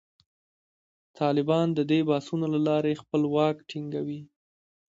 طالبان د دې بحثونو له لارې خپل واک ټینګوي.